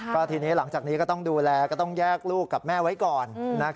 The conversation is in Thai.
ก็ทีนี้หลังจากนี้ก็ต้องดูแลก็ต้องแยกลูกกับแม่ไว้ก่อน